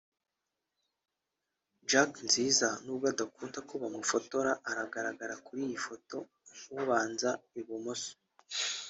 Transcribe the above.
(Jack Nziza n’ubwo adakunda ko bamufotora aragaragara kuri iyi foto (ubanza i bumoso)